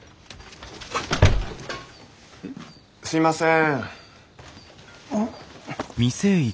すいません。